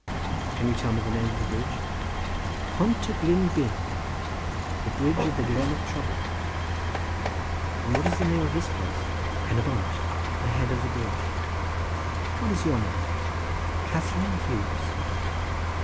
"Can you tell me the name of the bridge?" "Pont y Glyn blin—the bridge of the glen of trouble." "And what is the name of this place?" "Pen y bont—the head of the bridge." "What is your own name?" "Catherine Hughes."